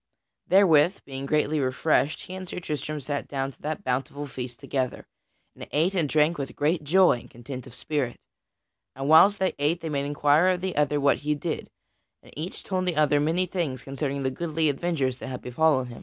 Therewith, being greatly refreshed he and Sir Tristram sat down to that bountiful feast together, and ate and drank with great joy and content of spirit. And whiles they ate each made inquiry of the other what he did, and each told the other many things concerning the goodly adventures that had befallen him.